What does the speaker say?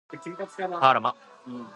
はあら、ま